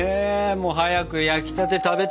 もう早く焼きたて食べたい。